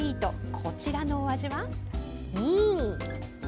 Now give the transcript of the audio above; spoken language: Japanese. こちらのお味は。